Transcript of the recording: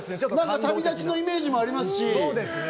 旅立ちのイメージもありますし。